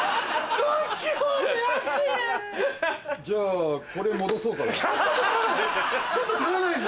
じゃあこれ戻そうかな。